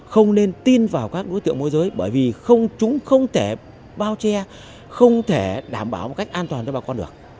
không nên tin vào các đối tượng môi giới bởi vì chúng không thể bao che không thể đảm bảo một cách an toàn cho bà con được